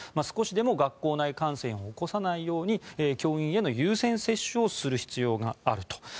少しでも学校内感染を起こさないように教員への優先接種をする必要があると。